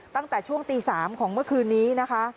ตั้งแต่ช่วงตี๓ของเมื่อคืนนี้นะคะ